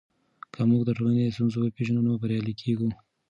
که موږ د ټولنې ستونزې وپېژنو نو بریالي کیږو.